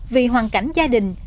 vì hoàn cảnh gia đình